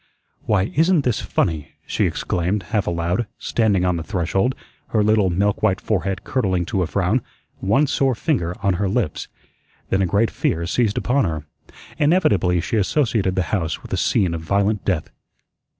"Why, isn't this FUNNY," she exclaimed, half aloud, standing on the threshold, her little milk white forehead curdling to a frown, one sore finger on her lips. Then a great fear seized upon her. Inevitably she associated the house with a scene of violent death.